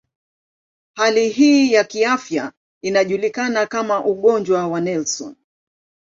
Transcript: Hali hii ya kiafya inajulikana kama ugonjwa wa Nelson.